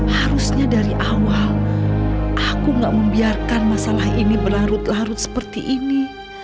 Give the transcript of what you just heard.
harusnya dari awal aku gak membiarkan masalah ini berlarut larut seperti ini